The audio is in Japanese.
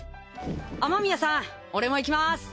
雨宮さん俺も行きます